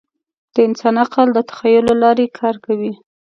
د انسان عقل د تخیل له لارې کار کوي.